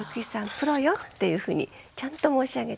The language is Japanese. プロよっていうふうにちゃんと申し上げたいと思いますね。